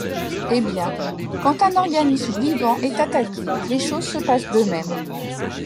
Eh bien, quand un organisme vivant est attaqué, les choses se passent de même.